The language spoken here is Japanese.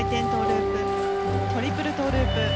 トリプルループ。